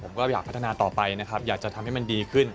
ผมก็อยากพัฒนาต่อไปนะครับอยากจะทำให้มันดีขึ้น